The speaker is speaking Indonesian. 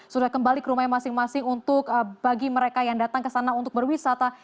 sudah kembali ke rumahnya masing masing untuk bagi mereka yang datang ke sana untuk berwisata